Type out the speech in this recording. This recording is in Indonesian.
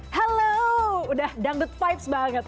halo udah dangdut vibes banget